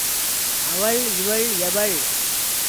அவள் இவள் எவள்